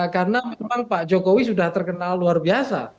karena memang pak jokowi sudah terkenal luar biasa